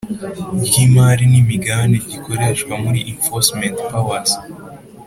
Ry imari n imigabane gikoresha mu enforcement powers